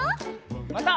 また。